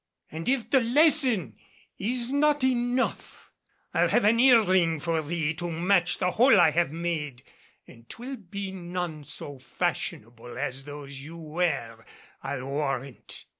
And if the lesson is not enough, I'll have an ear ring for thee to match the hole I have made. And 'twill be none so fashionable as those you wear, I'll warrant."